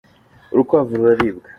urukwavu ruraribwa